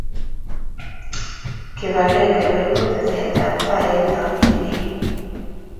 Kipakenge koipu tesetapkei eng chakchinet